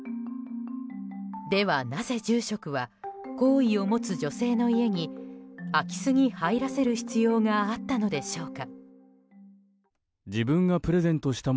では、なぜ住職は好意を持つ女性の家に空き巣に入らせる必要があったのでしょうか。